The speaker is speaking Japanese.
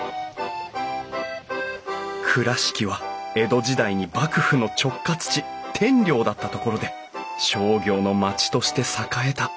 倉敷は江戸時代に幕府の直轄地天領だった所で商業の町として栄えた。